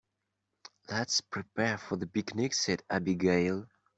"Let's prepare for the picnic!", said Abigail.